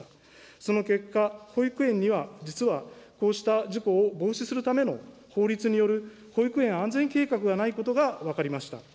その結果、保育園には実は、こうした事故を防止するための法律による保育園安全計画がないことが分かりました。